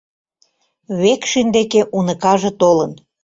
— Векшин деке уныкаже толын!